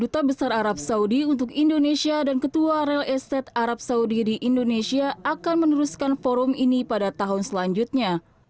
duta besar arab saudi untuk indonesia dan ketua real estate arab saudi di indonesia akan meneruskan forum ini pada tahun selanjutnya